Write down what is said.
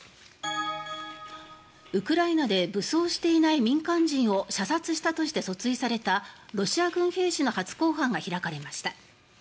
ウクライナで武装していない民間人を射殺したとして訴追されたロシア軍兵士の初公判が開かれました。